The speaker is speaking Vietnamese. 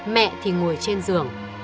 mẹ thì ngồi trên giường